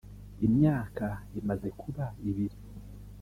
imyaka imaze kuba ibiri